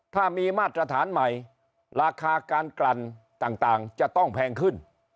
ถ้ามีมาตรฐานใหม่ราคาการกลั่นต่างจะต้องแพงขึ้น